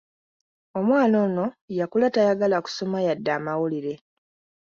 Omwana ono yakula tayagala kusoma yadde amawulire.